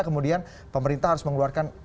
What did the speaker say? kemudian pemerintah harus mengeluarkan